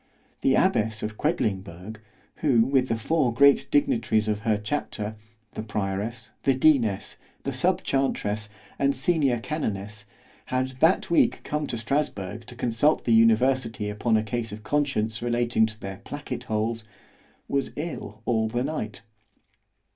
The abbess of Quedlingberg, who with the four great dignitaries of her chapter, the prioress, the deaness, the sub chantress, and senior canonness, had that week come to Strasburg to consult the university upon a case of conscience relating to their placket holes——was ill all the night.